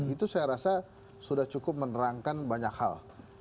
itu saya rasa sudah cukup menerangkan banyak hal